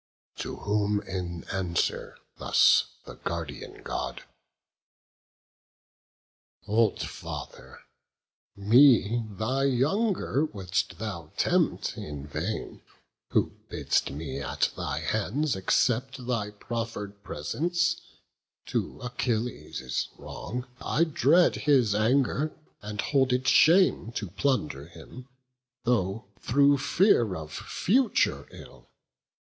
To whom in answer thus the Guardian God: "Old father, me thy younger wouldst thou tempt, In vain; who bidd'st me at thy hands accept Thy proffer'd presents, to Achilles' wrong. I dread his anger; and should hold it shame To plunder him, through fear of future ill.